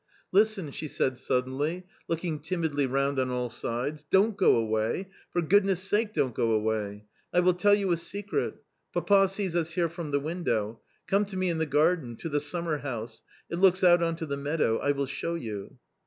" Listen !" she said suddenly, looking timidly round on all sides ;" don't go away, for goodness' sake, don't go away ! I will tell you a secret. Papa sees us here from the window ; come to me in the garden, to the summerhouse — it looks out on to the meadow. I will show you."